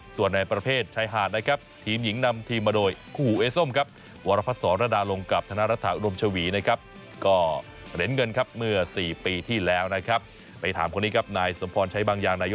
ส่วนในประเภทใช้หาดนะครับทีมหญิงนำทีมมาโดยคู่หูเอส้มครับ